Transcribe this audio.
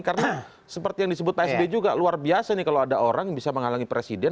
karena seperti yang disebut pak sbi juga luar biasa nih kalau ada orang yang bisa menghalangi presiden